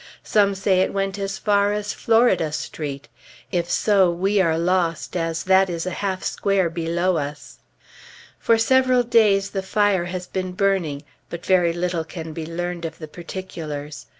Some say it went as far as Florida Street; if so, we are lost, as that is a half square below us. For several days the fire has been burning, but very little can be learned of the particulars.